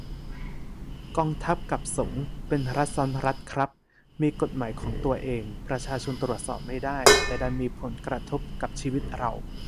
กองทัพ กับ สงฆ์ เป็นรัฐซ้อนรัฐครับ มีกฎหมายของตัวเอง ประชาชนตรวจสอบไม่ได้ แต่ดันมีผลกระทบกับชีวิตเรา